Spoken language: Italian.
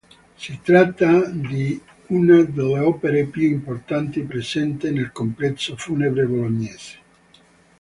Si tratta di una delle opere più importanti presente nel complesso funebre bolognese.